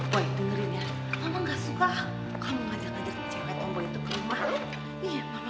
boy dengerin ya mama gak suka kamu ngajak ngajak cewek omboid itu ke rumah